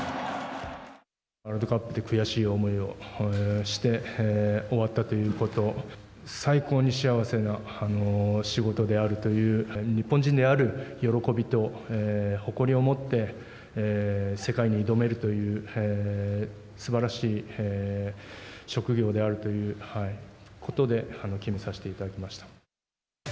ワールドカップで悔しい思いをして終わったということ、最高に幸せな仕事であるという、日本人である喜びと誇りを持って、世界に挑めるという、すばらしい職業であるということで決めさせていただきました。